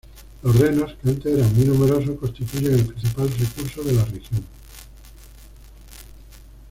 Los renos, que antes eran muy numerosos, constituyen el principal recurso de la región.